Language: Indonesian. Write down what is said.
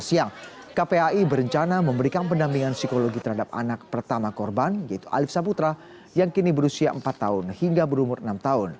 siang kpai berencana memberikan pendampingan psikologi terhadap anak pertama korban yaitu alif saputra yang kini berusia empat tahun hingga berumur enam tahun